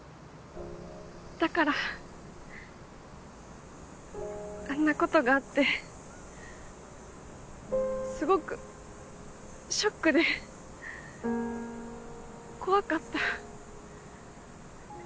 だからあんなことがあってすごくショックで怖かった。